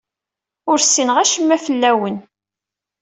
Ur ssineɣ acemma fell-awen.